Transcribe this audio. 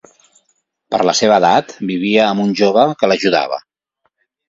Per la seva edat, vivia amb un jove que l'ajudava.